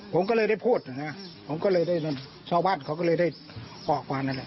ผมก็เลยได้พูดนะผมก็เลยได้ชาวบ้านเขาก็เลยได้ออกมานั่นแหละ